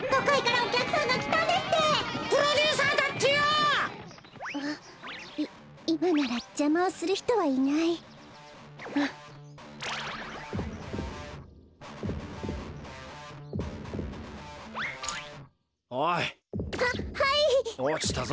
おちたぞ。